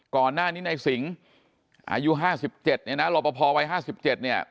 ก่อนหน้านี้นายสิงห์อายุห้าสิบเจ็ดเนี่ยนะโรปภอวัยห้าสิบเจ็ดเนี่ย